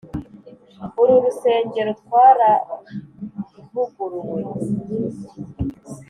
Uru rurusengero twaravuguruwe.